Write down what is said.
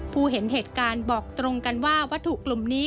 เห็นเหตุการณ์บอกตรงกันว่าวัตถุกลุ่มนี้